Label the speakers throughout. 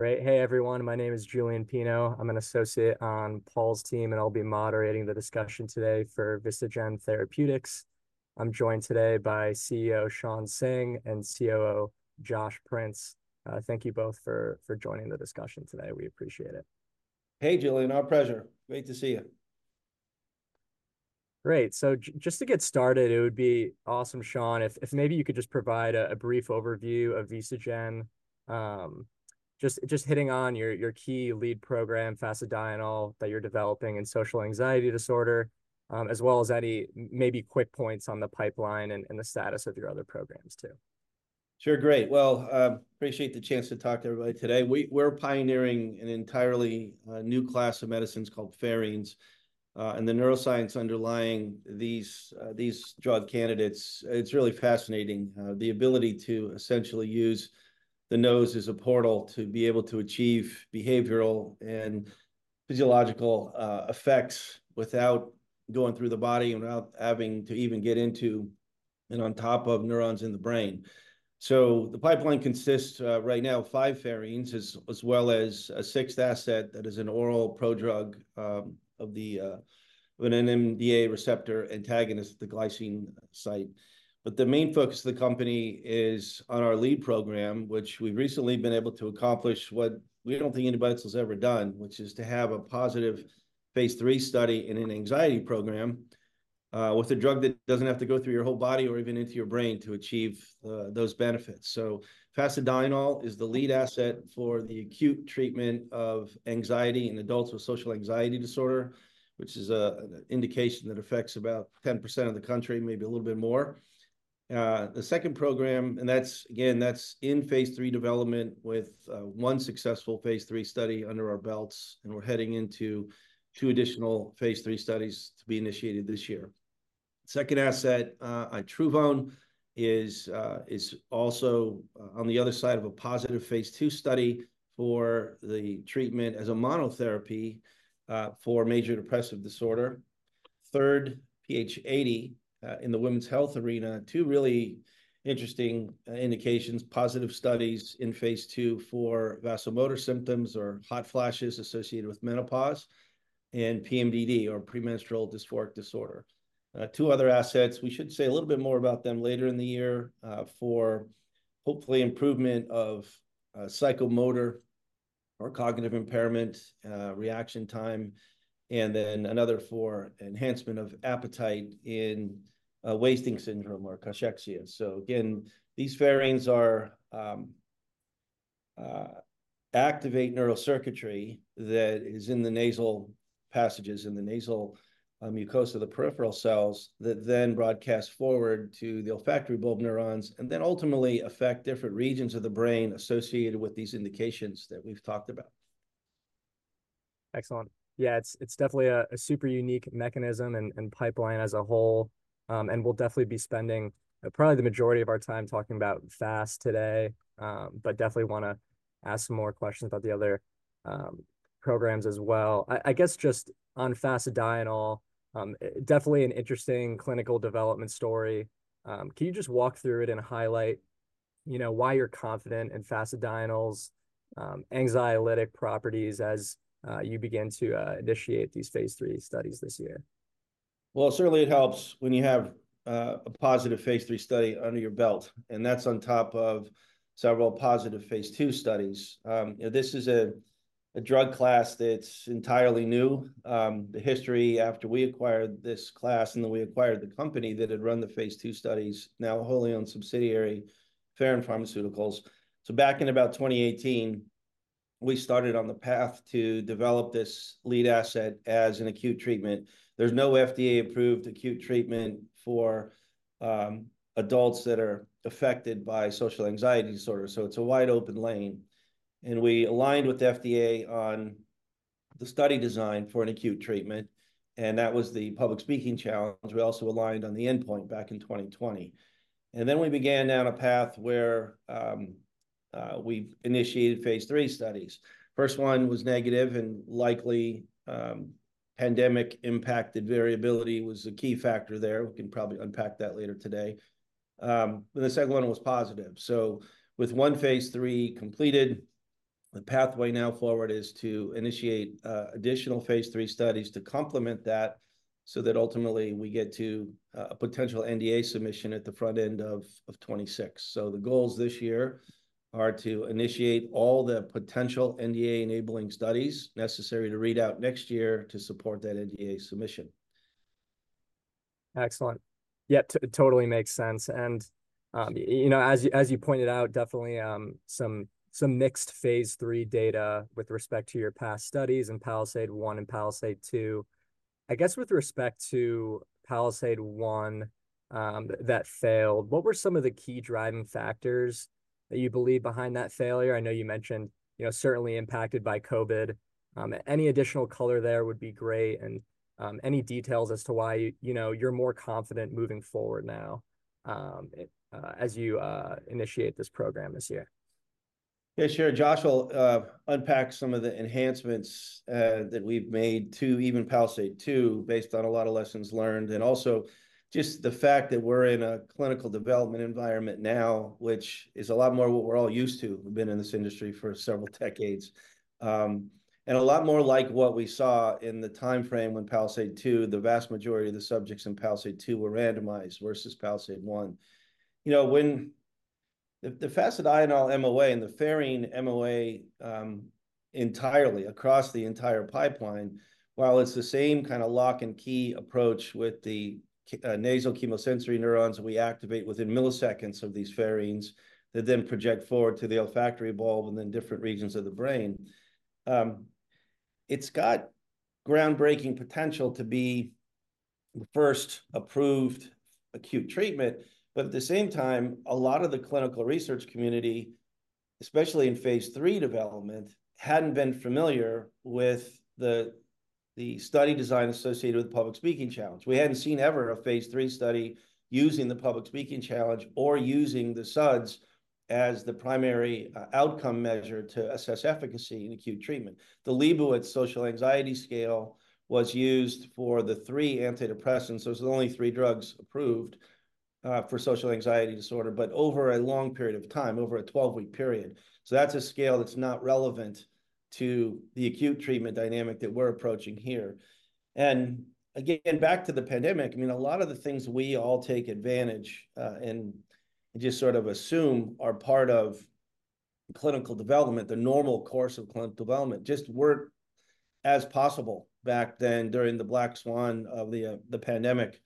Speaker 1: Right. Hey everyone, my name is Julian Harrison. I'm an associate on Paul's team, and I'll be moderating the discussion today for Vistagen Therapeutics. I'm joined today by CEO Shawn Singh and COO Josh Prince. Thank you both for joining the discussion today. We appreciate it.
Speaker 2: Hey Julian, our pleasure. Great to see you.
Speaker 1: Great. So just to get started, it would be awesome, Shawn, if maybe you could just provide a brief overview of Vistagen, just hitting on your key lead program, fasedienol, that you're developing in social anxiety disorder, as well as any maybe quick points on the pipeline and the status of your other programs too.
Speaker 2: Sure, great. Well, appreciate the chance to talk to everybody today. We're pioneering an entirely new class of medicines called pherines, and the neuroscience underlying these drug candidates, it's really fascinating, the ability to essentially use the nose as a portal to be able to achieve behavioral and physiological effects without going through the body and without having to even get into and on top of neurons in the brain. So the pipeline consists, right now, of five pherines as well as a sixth asset that is an oral prodrug of an NMDA receptor antagonist, the glycine site. But the main focus of the company is on our lead program, which we've recently been able to accomplish what we don't think anybody else has ever done, which is to have a positive phase III study in an anxiety program, with a drug that doesn't have to go through your whole body or even into your brain to achieve those benefits. So fasedienol is the lead asset for the acute treatment of anxiety in adults with social anxiety disorder, which is an indication that affects about 10% of the country, maybe a little bit more. The second program, and that's, again, that's in phase III development with one successful phase III study under our belts, and we're heading into two additional phase III studies to be initiated this year. Second asset, itruvone, is also on the other side of a positive phase II study for the treatment as a monotherapy, for major depressive disorder. Third, PH80, in the women's health arena, two really interesting indications, positive studies in phase II for vasomotor symptoms or hot flashes associated with menopause and PMDD, or premenstrual dysphoric disorder. Two other assets, we should say a little bit more about them later in the year, for hopefully improvement of psychomotor or cognitive impairment, reaction time, and then another for enhancement of appetite in wasting syndrome or cachexia. So again, these pherines activate neural circuitry that is in the nasal passages, in the nasal mucosa of the peripheral cells that then broadcast forward to the olfactory bulb neurons, and then ultimately affect different regions of the brain associated with these indications that we've talked about.
Speaker 1: Excellent. Yeah, it's definitely a super unique mechanism and pipeline as a whole. We'll definitely be spending probably the majority of our time talking about fasedienol today, but definitely wanna ask some more questions about the other programs as well. I guess just on fasedienol, definitely an interesting clinical development story. Can you just walk through it and highlight, you know, why you're confident in fasedienol's anxiolytic properties as you begin to initiate these phase III studies this year?
Speaker 2: Well, certainly it helps when you have a positive phase III study under your belt, and that's on top of several positive phase II studies. You know, this is a drug class that's entirely new. The history after we acquired this class and then we acquired the company that had run the phase II studies, now wholly-owned subsidiary Pherin Pharmaceuticals. So back in about 2018, we started on the path to develop this lead asset as an acute treatment. There's no FDA-approved acute treatment for adults that are affected by social anxiety disorder, so it's a wide open lane. And we aligned with the FDA on the study design for an acute treatment, and that was the public speaking challenge. We also aligned on the endpoint back in 2020. And then we began down a path where we've initiated phase III studies. First one was negative, and likely pandemic-impacted variability was a key factor there. We can probably unpack that later today. Then the second one was positive. So, with one phase III completed, the pathway now forward is to initiate additional phase III studies to complement that so that ultimately we get to a potential NDA submission at the front end of 2026. So the goals this year are to initiate all the potential NDA-enabling studies necessary to read out next year to support that NDA submission.
Speaker 1: Excellent. Yeah, totally makes sense. And, you know, as you pointed out, definitely some mixed phase III data with respect to your past studies and PALISADE-1 and PALISADE-2. I guess with respect to PALISADE-1, that failed, what were some of the key driving factors that you believe behind that failure? I know you mentioned, you know, certainly impacted by COVID. Any additional color there would be great, and any details as to why you, you know, you're more confident moving forward now, as you initiate this program this year.
Speaker 2: Yeah, sure. Josh will unpack some of the enhancements that we've made to even PALISADE-2 based on a lot of lessons learned, and also just the fact that we're in a clinical development environment now, which is a lot more what we're all used to. We've been in this industry for several decades, and a lot more like what we saw in the timeframe when PALISADE-2, the vast majority of the subjects in PALISADE-2 were randomized versus PALISADE-1. You know, when the fasedienol MOA and the pherine MOA entirely across the entire pipeline, while it's the same kind of lock-and-key approach with the nasal chemosensory neurons that we activate within milliseconds of these pherines that then project forward to the olfactory bulb and then different regions of the brain, it's got groundbreaking potential to be the first approved acute treatment, but at the same time, a lot of the clinical research community, especially in phase III development, hadn't been familiar with the study design associated with the public speaking challenge. We hadn't seen ever a phase III study using the public speaking challenge or using the SUDS as the primary outcome measure to assess efficacy in acute treatment. The Leibowitz Social Anxiety Scale was used for the three antidepressants, those are the only three drugs approved, for social anxiety disorder, but over a long period of time, over a 12-week period. So that's a scale that's not relevant to the acute treatment dynamic that we're approaching here. And again, back to the pandemic, I mean, a lot of the things we all take advantage, and just sort of assume are part of clinical development, the normal course of clinical development, just weren't as possible back then during the black swan of the pandemic. At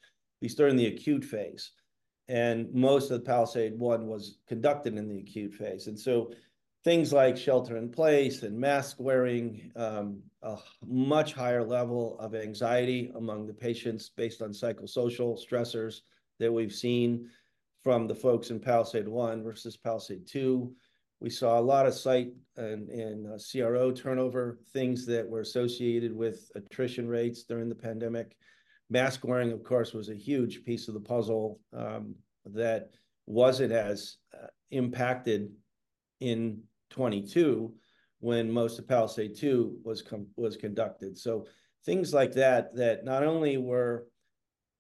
Speaker 2: least during the acute phase. And most of the PALISADE-1 was conducted in the acute phase. And so things like shelter in place and mask wearing, a much higher level of anxiety among the patients based on psychosocial stressors that we've seen from the folks in PALISADE-1 versus PALISADE-2. We saw a lot of site and CRO turnover, things that were associated with attrition rates during the pandemic. Mask wearing, of course, was a huge piece of the puzzle that wasn't as impacted in 2022 when most of PALISADE-2 was conducted. So things like that that not only were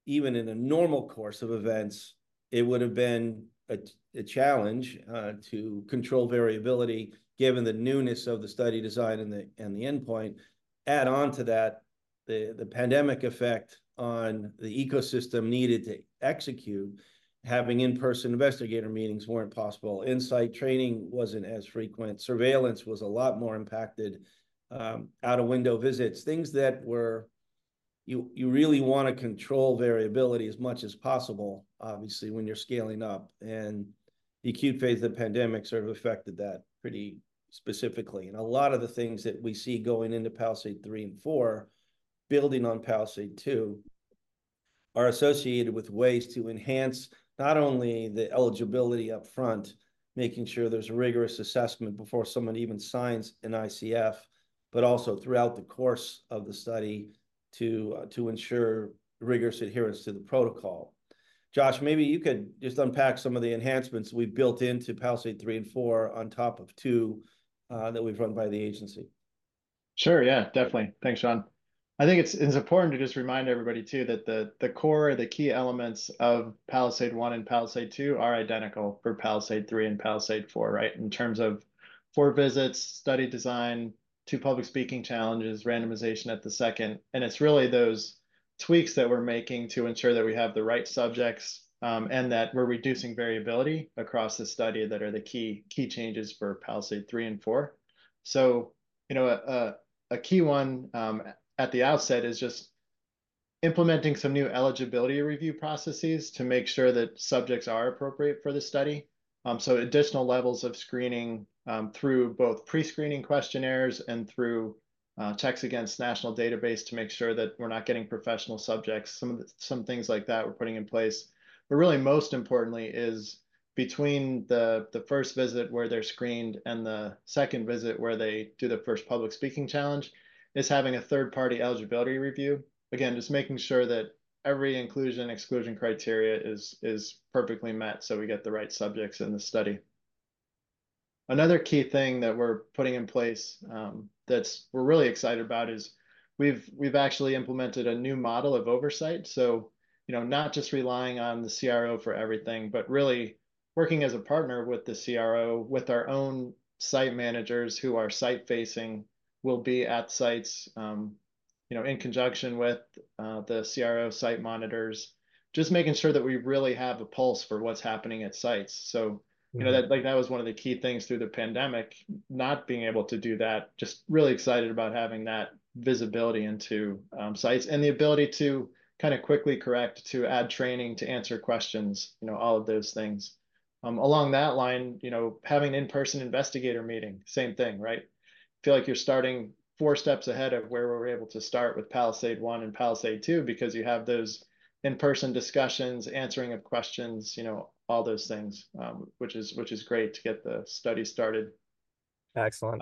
Speaker 2: even in a normal course of events, it would have been a challenge to control variability given the newness of the study design and the endpoint. Add on to that, the pandemic effect on the ecosystem needed to execute, having in-person investigator meetings weren't possible, on-site training wasn't as frequent, surveillance was a lot more impacted, out-of-window visits, things that you really wanna control variability as much as possible, obviously, when you're scaling up. And the acute phase of the pandemic sort of affected that pretty specifically. A lot of the things that we see going into PALISADE-3 and 4 building on PALISADE-2, are associated with ways to enhance not only the eligibility upfront, making sure there's a rigorous assessment before someone even signs an ICF, but also throughout the course of the study to ensure rigorous adherence to the protocol. Josh, maybe you could just unpack some of the enhancements we've built into PALISADE-3 and 4 on top of two, that we've run by the agency.
Speaker 3: Sure, yeah, definitely. Thanks, Shawn. I think it's important to just remind everybody too that the core, the key elements of PALISADE- and PALISADE-2 are identical for PALISADE-3 and PALISADE-4, right, in terms of four visits, study design, two public speaking challenges, randomization at the second. And it's really those tweaks that we're making to ensure that we have the right subjects, and that we're reducing variability across the study that are the key changes for PALISADE-3 and 4. So, you know, a key one, at the outset is just implementing some new eligibility review processes to make sure that subjects are appropriate for the study. So, additional levels of screening through both pre-screening questionnaires and through checks against national database to make sure that we're not getting professional subjects, some of the some things like that we're putting in place. But really, most importantly, is between the first visit where they're screened and the second visit where they do the first public speaking challenge: having a third-party eligibility review. Again, just making sure that every inclusion and exclusion criteria is perfectly met so we get the right subjects in the study. Another key thing that we're putting in place that we're really excited about is we've actually implemented a new model of oversight. So, you know, not just relying on the CRO for everything, but really working as a partner with the CRO with our own site managers who are site-facing, will be at sites, you know, in conjunction with the CRO site monitors, just making sure that we really have a pulse for what's happening at sites. So, you know, that, like, that was one of the key things through the pandemic, not being able to do that, just really excited about having that visibility into sites and the ability to kind of quickly correct, to add training, to answer questions, you know, all of those things. Along that line, you know, having an in-person investigator meeting, same thing, right? I feel like you're starting four steps ahead of where we were able to start with PALISADE-1 and PALISADE-2 because you have those in-person discussions, answering of questions, you know, all those things, which is great to get the study started.
Speaker 1: Excellent.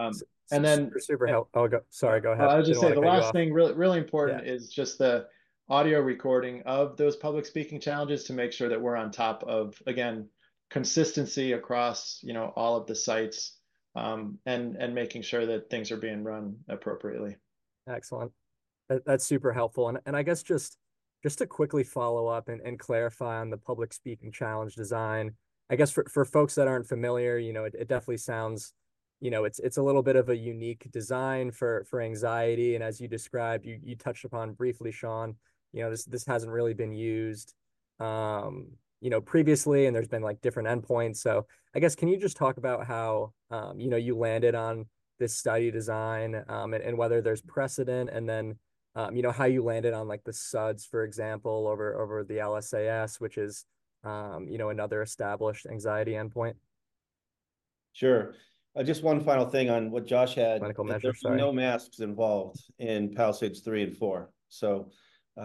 Speaker 3: And then.
Speaker 1: Super, super help. I'll go, sorry, go ahead.
Speaker 3: No, I was just gonna say the last thing, really, really important is just the audio recording of those public speaking challenges to make sure that we're on top of, again, consistency across, you know, all of the sites, and making sure that things are being run appropriately.
Speaker 1: Excellent. That's super helpful. And I guess just to quickly follow up and clarify on the public speaking challenge design, I guess for folks that aren't familiar, you know, it definitely sounds, you know, it's a little bit of a unique design for anxiety. And as you described, you touched upon briefly, Shawn, you know, this hasn't really been used, you know, previously, and there's been like different endpoints. So I guess can you just talk about how, you know, you landed on this study design, and whether there's precedent and then, you know, how you landed on like the SUDS, for example, over the LSAS, which is, you know, another established anxiety endpoint?
Speaker 2: Sure. Just one final thing on what Josh had. Clinical measures, sorry. There's no masks involved in PALISADE-3 and PALISADE-4. So,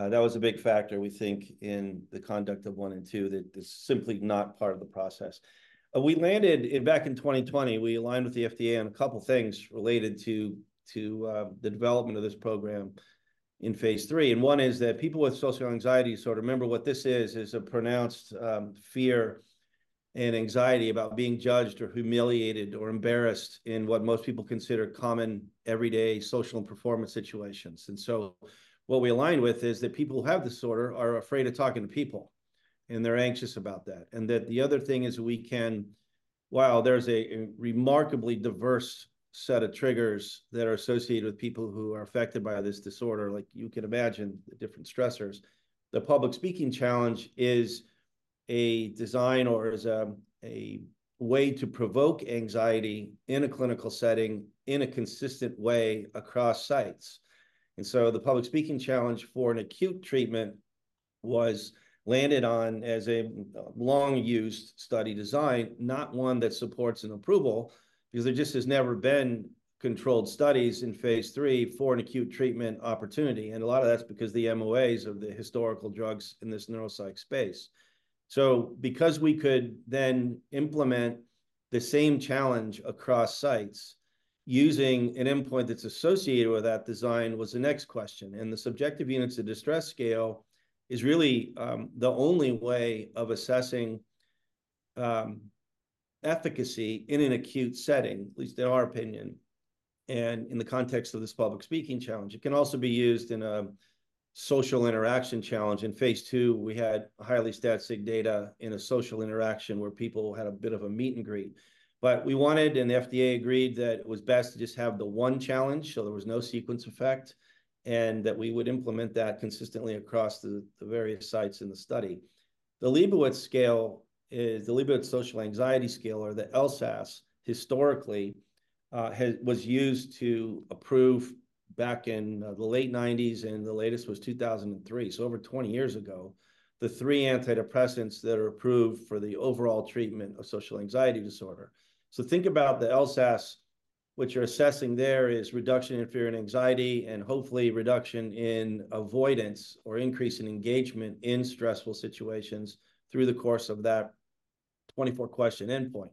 Speaker 2: that was a big factor, we think, in the conduct of one and two that is simply not part of the process. We landed back in 2020, we aligned with the FDA on a couple of things related to the development of this program in phase III. And one is that people with social anxiety disorder, remember what this is, is a pronounced fear and anxiety about being judged or humiliated or embarrassed in what most people consider common, everyday social and performance situations. And so what we aligned with is that people who have disorder are afraid of talking to people. And they're anxious about that. That the other thing is we can, while there's a remarkably diverse set of triggers that are associated with people who are affected by this disorder, like you can imagine, the different stressors, the public speaking challenge is a design or is a way to provoke anxiety in a clinical setting in a consistent way across sites. So the public speaking challenge for an acute treatment was landed on as a long-used study design, not one that supports an approval, because there just has never been controlled studies in phase III for an acute treatment opportunity. A lot of that's because the MOAs of the historical drugs in this neuropsych space. So because we could then implement the same challenge across sites, using an endpoint that's associated with that design was the next question. The Subjective Units of Distress Scale is really the only way of assessing efficacy in an acute setting, at least in our opinion. In the context of this public speaking challenge, it can also be used in a social interaction challenge. In phase II, we had highly static data in a social interaction where people had a bit of a meet and greet. But we wanted and the FDA agreed that it was best to just have the one challenge, so there was no sequence effect, and that we would implement that consistently across the various sites in the study. The Leibowitz scale is the Leibowitz Social Anxiety Scale, or the LSAS. Historically, was used to approve back in the late 1990s, and the latest was 2003, so over 20 years ago, the three antidepressants that are approved for the overall treatment of social anxiety disorder. So think about the LSAS, which you're assessing there is reduction in fear and anxiety and hopefully reduction in avoidance or increase in engagement in stressful situations through the course of that 24-question endpoint.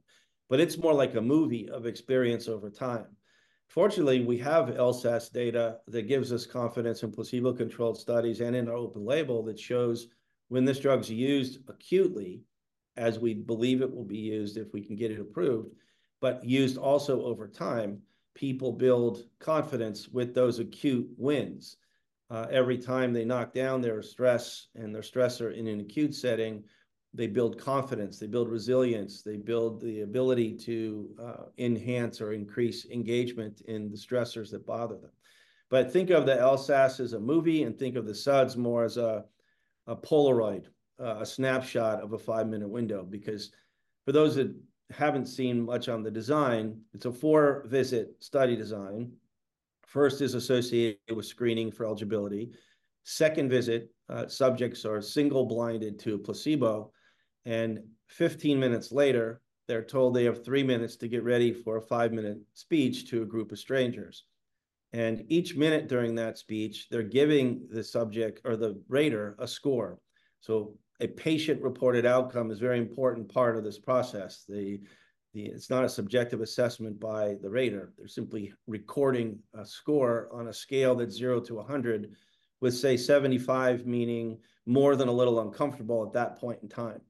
Speaker 2: But it's more like a movie of experience over time. Fortunately, we have LSAS data that gives us confidence in placebo-controlled studies and in our open label that shows when this drug's used acutely, as we believe it will be used if we can get it approved, but used also over time, people build confidence with those acute wins. Every time they knock down their stress and their stressor in an acute setting, they build confidence, they build resilience, they build the ability to enhance or increase engagement in the stressors that bother them. But think of the LSAS as a movie and think of the SUDS more as a, a Polaroid, a snapshot of a five-minute window because for those that haven't seen much on the design, it's a four-visit study design. First is associated with screening for eligibility. Second visit, subjects are single-blinded to a placebo. And 15 minutes later, they're told they have three minutes to get ready for a five-minute speech to a group of strangers. And each minute during that speech, they're giving the subject or the rater a score. So a patient-reported outcome is a very important part of this process. The, it's not a subjective assessment by the rater. They're simply recording a score on a scale that's 0-100, with say 75 meaning more than a little uncomfortable at that point in time.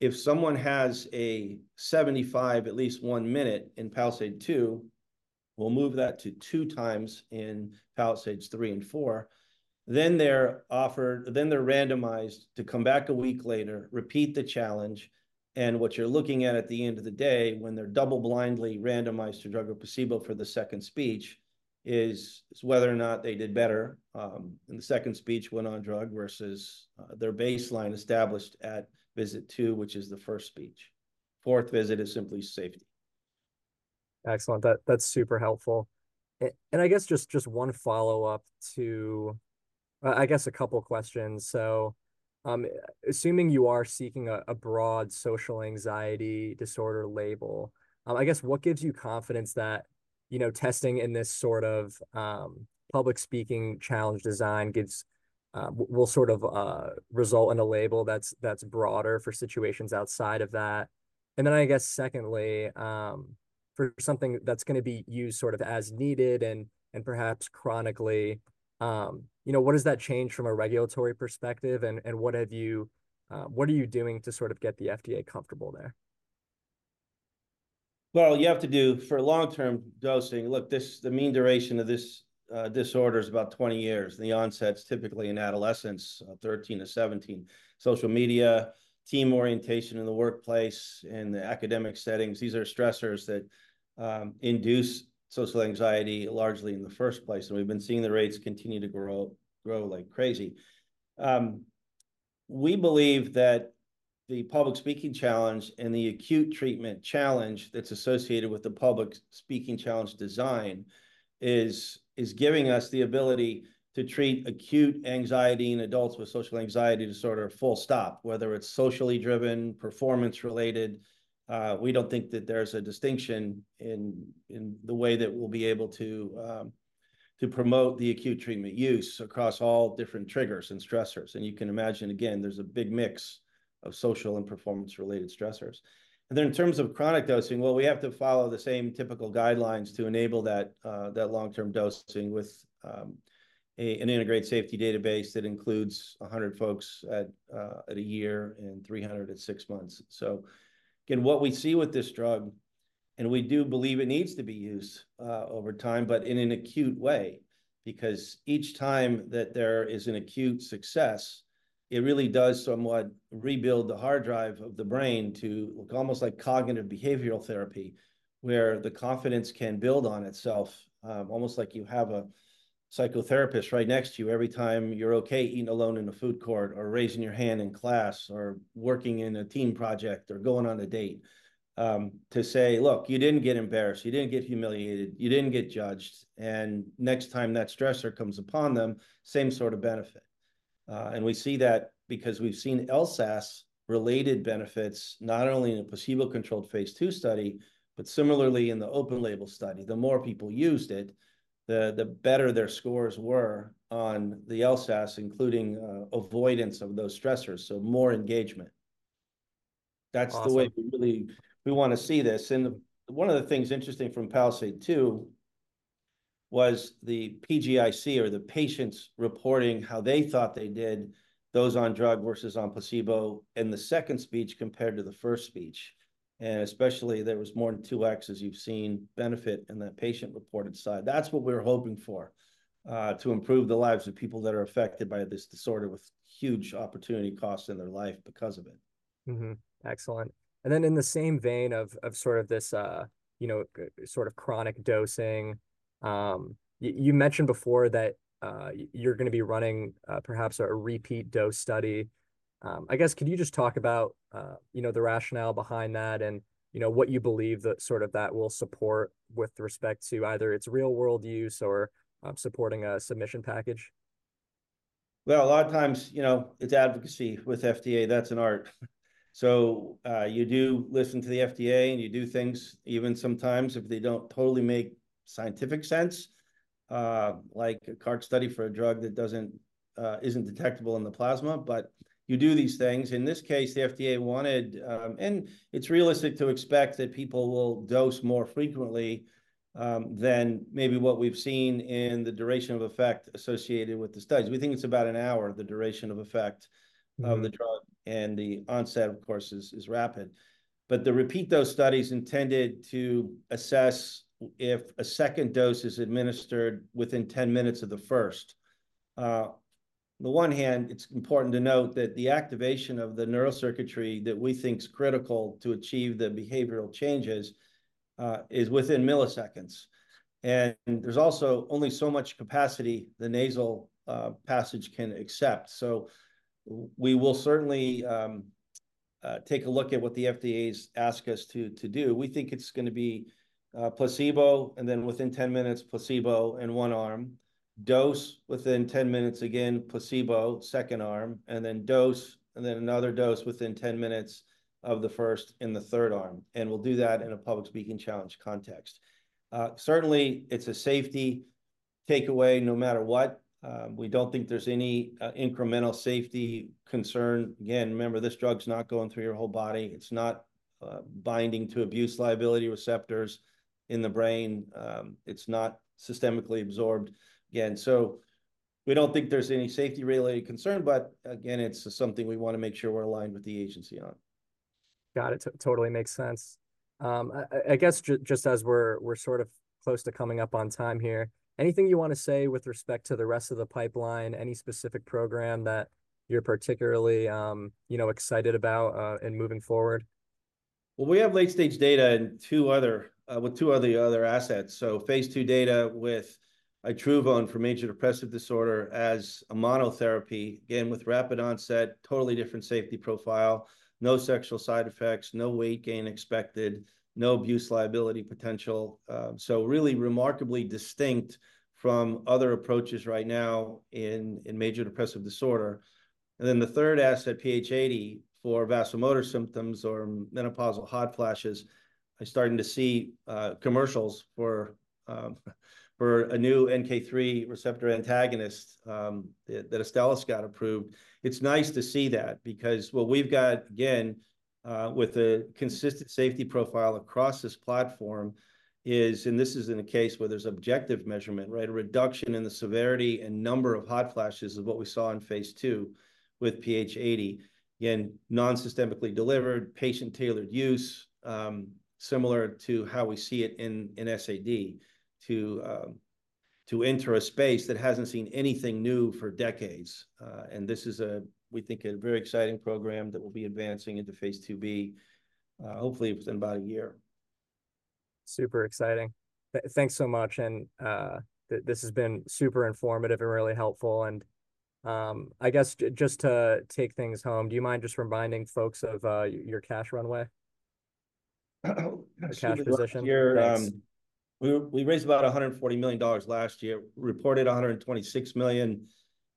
Speaker 2: If someone has a 75 at least one minute in PALISADE-2, we'll move that to two times in PALISADE-3 and PALISADE-4. Then they're offered, then they're randomized to come back a week later, repeat the challenge. And what you're looking at at the end of the day, when they're double-blind randomized to drug or placebo for the second speech, is whether or not they did better in the second speech when on drug versus their baseline established at visit two, which is the first speech. Fourth visit is simply safety.
Speaker 1: Excellent. That's super helpful. And I guess just one follow-up to a couple of questions. So, assuming you are seeking a broad social anxiety disorder label, I guess what gives you confidence that, you know, testing in this sort of public speaking challenge design will sort of result in a label that's broader for situations outside of that? And then I guess secondly, for something that's gonna be used sort of as needed and perhaps chronically, you know, what does that change from a regulatory perspective and what are you doing to sort of get the FDA comfortable there?
Speaker 2: Well, you have to do for long-term dosing, look, this the mean duration of this, disorder is about 20 years. The onset's typically in adolescence, 13-17. Social media, team orientation in the workplace, in the academic settings, these are stressors that, induce social anxiety largely in the first place. And we've been seeing the rates continue to grow, grow like crazy. We believe that the public speaking challenge and the acute treatment challenge that's associated with the public speaking challenge design is, is giving us the ability to treat acute anxiety in adults with social anxiety disorder, full stop, whether it's socially driven, performance-related. We don't think that there's a distinction in, in the way that we'll be able to, to promote the acute treatment use across all different triggers and stressors. And you can imagine, again, there's a big mix of social and performance-related stressors. And then in terms of chronic dosing, well, we have to follow the same typical guidelines to enable that long-term dosing with an integrated safety database that includes 100 folks at a year and 300 at six months. So again, what we see with this drug, and we do believe it needs to be used, over time, but in an acute way, because each time that there is an acute success, it really does somewhat rebuild the hard drive of the brain to look almost like cognitive behavioral therapy, where the confidence can build on itself, almost like you have a psychotherapist right next to you every time you're okay eating alone in a food court or raising your hand in class or working in a team project or going on a date, to say, look, you didn't get embarrassed, you didn't get humiliated, you didn't get judged. And next time that stressor comes upon them, same sort of benefit. We see that because we've seen LSAS-related benefits not only in a placebo-controlled phase II study, but similarly in the open label study, the more people used it, the better their scores were on the LSAS, including avoidance of those stressors, so more engagement. That's the way we really want to see this. One of the things interesting from PALISADE-2 was the PGIC or the patients reporting how they thought they did, those on drug versus on placebo, in the second speech compared to the first speech. And especially there was more than 2x's, as you've seen, benefit in that patient-reported side. That's what we were hoping for, to improve the lives of people that are affected by this disorder with huge opportunity costs in their life because of it.
Speaker 1: Excellent. And then in the same vein of sort of this, you know, sort of chronic dosing, you mentioned before that you're gonna be running, perhaps, a repeat dose study. I guess could you just talk about, you know, the rationale behind that and, you know, what you believe that sort of will support with respect to either its real-world use or supporting a submission package?
Speaker 2: Well, a lot of times, you know, it's advocacy with FDA. That's an art. So, you do listen to the FDA and you do things even sometimes if they don't totally make scientific sense, like a CAR-T study for a drug that isn't detectable in the plasma, but you do these things. In this case, the FDA wanted, and it's realistic to expect that people will dose more frequently than maybe what we've seen in the duration of effect associated with the studies. We think it's about an hour, the duration of effect of the drug, and the onset, of course, is rapid. But the repeat dose studies intended to assess if a second dose is administered within 10 minutes of the first. On the one hand, it's important to note that the activation of the neurocircuitry that we thinks critical to achieve the behavioral changes is within milliseconds. And there's also only so much capacity the nasal passage can accept. So we will certainly take a look at what the FDA's ask us to do. We think it's gonna be placebo and then within 10 minutes, placebo in one arm. Dose within 10 minutes, again, placebo second arm, and then dose, and then another dose within 10 minutes of the first in the third arm. And we'll do that in a public speaking challenge context. Certainly it's a safety takeaway no matter what. We don't think there's any incremental safety concern. Again, remember this drug's not going through your whole body. It's not binding to abuse liability receptors in the brain. It's not systemically absorbed. Again, so we don't think there's any safety-related concern, but again, it's something we want to make sure we're aligned with the agency on.
Speaker 1: Got it. Totally makes sense. I guess just as we're sort of close to coming up on time here, anything you want to say with respect to the rest of the pipeline, any specific program that you're particularly, you know, excited about, in moving forward?
Speaker 2: Well, we have late-stage data and two other assets. So phase II data with itruvone for major depressive disorder as a monotherapy, again, with rapid onset, totally different safety profile, no sexual side effects, no weight gain expected, no abuse liability potential. So really remarkably distinct from other approaches right now in major depressive disorder. And then the third asset, PH80, for vasomotor symptoms or menopausal hot flashes. I'm starting to see commercials for a new NK3 receptor antagonist that Astellas got approved. It's nice to see that because, well, we've got, again, with a consistent safety profile across this platform is, and this is in a case where there's objective measurement, right, a reduction in the severity and number of hot flashes of what we saw in phase II with PH80. Again, nonsystemically delivered, patient-tailored use, similar to how we see it in, in SAD, to, to enter a space that hasn't seen anything new for decades. And this is a, we think, a very exciting program that will be advancing into phase IIb, hopefully within about a year.
Speaker 1: Super exciting. Thanks so much. This has been super informative and really helpful. I guess just to take things home, do you mind just reminding folks of your cash runway?
Speaker 2: Cash position? Yes. We raised about $140 million last year, reported $126 million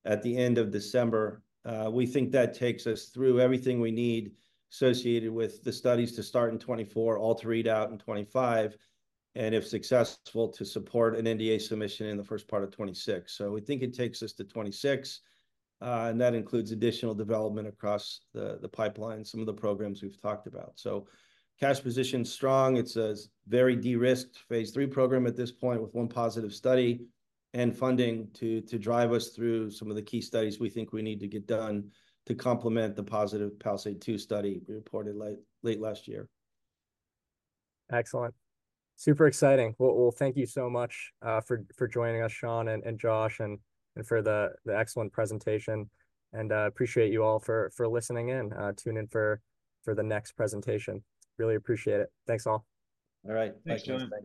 Speaker 2: at the end of December. We think that takes us through everything we need associated with the studies to start in 2024, all three out in 2025, and if successful, to support an NDA submission in the first part of 2026. So we think it takes us to 2026, and that includes additional development across the pipeline, some of the programs we've talked about. So cash position's strong. It's a very de-risked phase III program at this point with one positive study and funding to drive us through some of the key studies we think we need to get done to complement the positive PALISADE-2 study we reported late last year.
Speaker 1: Excellent. Super exciting. Well, thank you so much for joining us, Shawn and Josh, and for the excellent presentation. Appreciate you all for listening in, tuning in for the next presentation. Really appreciate it. Thanks all.
Speaker 2: All right. Thanks.